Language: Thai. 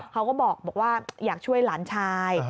เขาก็บอกว่าอยากช่วยหลานชาย